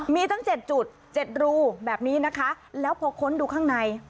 มีตั้ง๗จุด๗รูแบบนี้นะคะแล้วพอค้นดูข้างใน